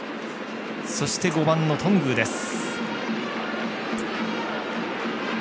そして５番の頓宮です。